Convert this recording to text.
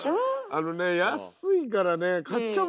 あのね安いからね買っちゃうんですよ。